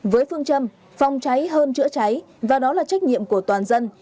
với phương châm phòng cháy hơn chữa cháy và đó là trách nhiệm của toàn dân